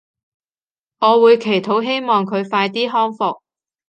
我會祈禱希望佢快啲康復